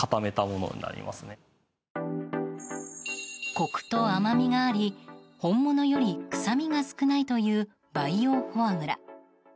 コクと甘みがあり本物より臭みが少ないという培養フォアグラ。